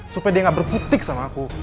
supaya dia gak berputik sama aku